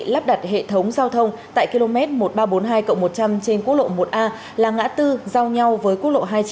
lắp đặt hệ thống giao thông tại km một nghìn ba trăm bốn mươi hai một trăm linh trên quốc lộ một a là ngã tư giao nhau với quốc lộ hai trăm chín